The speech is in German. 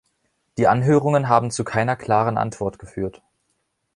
Die Anhörungen haben zu keiner klaren Antwort geführt.